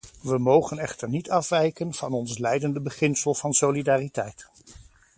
We mogen echter niet afwijken van ons leidende beginsel van solidariteit.